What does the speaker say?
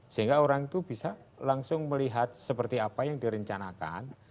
sehingga orang itu bisa langsung melihat seperti apa yang direncanakan